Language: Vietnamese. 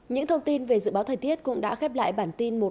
những thông tin về dự báo thời tiết cũng đã khép lại bản tin một trăm một mươi